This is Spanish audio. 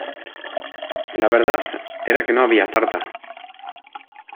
La verdad era que no había tarta.